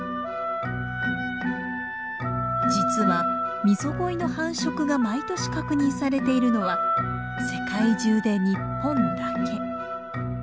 実はミゾゴイの繁殖が毎年確認されているのは世界中で日本だけ。